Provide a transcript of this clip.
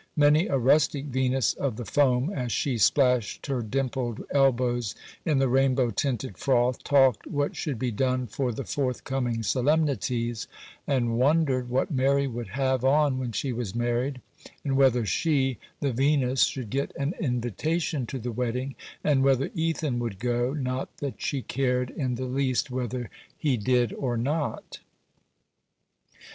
Many a rustic Venus of the foam, as she splashed her dimpled elbows in the rainbow tinted froth, talked what should be done for the forthcoming solemnities, and wondered what Mary would have on when she was married, and whether she (the Venus) should get an invitation to the wedding, and whether 'Ethan' would go—not that she cared in the least whether he did or not.